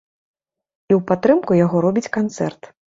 І ў падтрымку яго робіць канцэрт.